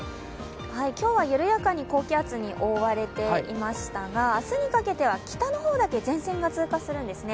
今日は緩やかに高気圧に覆われていましたが明日にかけては北の方だけ前線が通過するんですね